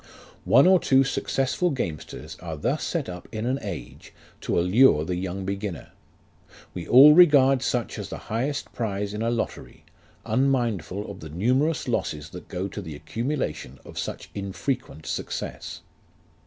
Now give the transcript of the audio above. One or two successful gamesters are thus set up in an age to allure the young beginner ; we all regard such as the highest prize in a lottery, unmindful of the numerous losses that go to the accumulation of such infrequent success.